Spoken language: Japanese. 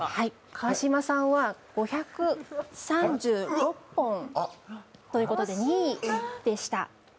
川島さんは５３６本ということで、２位でした。